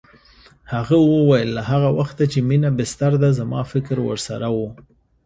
هغه وویل له هغه وخته چې مينه بستر ده زما فکر ورسره و